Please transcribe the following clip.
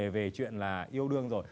về chuyện là yêu đương rồi